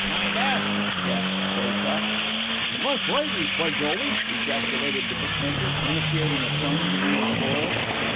"My dust!" gasped Draycott. "My fivers, by golly!" ejaculated the bookmaker, initiating a plunge among the spoil.